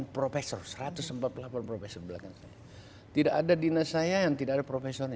profesor satu ratus empat puluh delapan profesor belakang tidak ada dinas saya yang tidak ada profesor